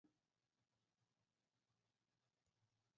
Aurrerago bizitzan Koronel maila lortu zuen.